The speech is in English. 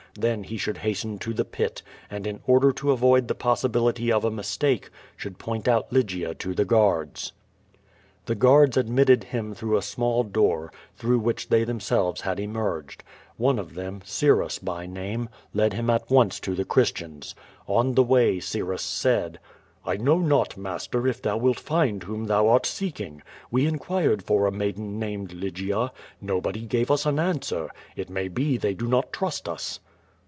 Then he should hasten to the pit, and, in order to avoid the possibility of a mistake, should point out Lygia to the guards. The guards admitted him through a small door, throirgh which they themselves had emerged. One of them, Syrus by name, led him at once to the Christians. On the way S}Tus said: "I know not, master, if thou wilt find whom thou art seek ing. We inquired for a maiden named Lygia. Nobody gave us an answer. It may be they do not trust us.''